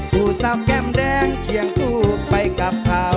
ผู้สาวแก้มแดงเคียงคู่ไปกับเขา